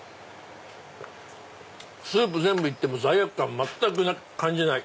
スープ全部いっても罪悪感全く感じない。